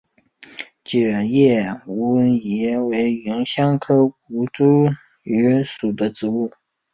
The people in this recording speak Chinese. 楝叶吴萸为芸香科吴茱萸属的植物。